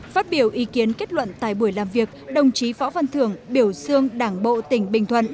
phát biểu ý kiến kết luận tại buổi làm việc đồng chí võ văn thường biểu dương đảng bộ tỉnh bình thuận